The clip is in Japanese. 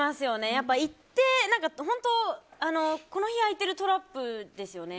やっぱり行って、この日空いてるトラップですよね。